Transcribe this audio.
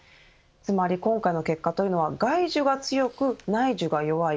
つまり今回の結果というのは外需が強く、内需が弱い。